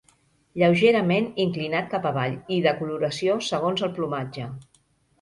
Lleugerament inclinat cap avall, i de coloració segons el plomatge.